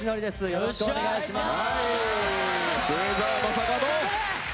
よろしくお願いします。